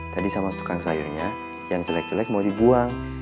tadi sama tukang sayurnya yang jelek jelek mau dibuang